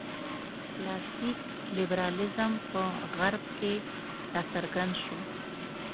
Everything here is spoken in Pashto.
کلاسیک لېبرالېزم په غرب کې راڅرګند شو.